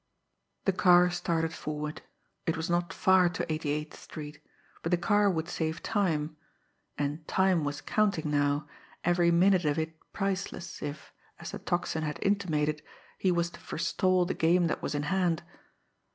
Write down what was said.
The car started forward. It was not far to 88th Street, but the car would save time and time was counting now, every minute of it priceless, if, as the Tocsin had intimated, he was to forestall the game that was in hand.